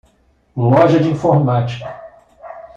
Loja de informática.